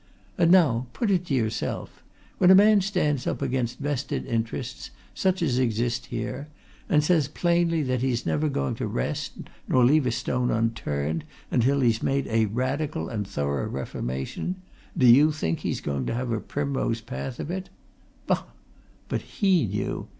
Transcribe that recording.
And now put it to yourself when a man stands up against vested interests, such as exist here, and says plainly that he's never going to rest, nor leave a stone unturned, until he's made a radical and thorough reformation, do you think he's going to have a primrose path of it? Bah! But he knew!